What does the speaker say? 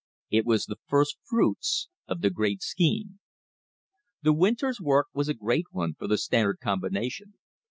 It was the first fruits of the Great Scheme. The winter's work was a great one for the Standard Com bination.